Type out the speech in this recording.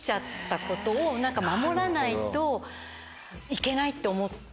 いけないって思って。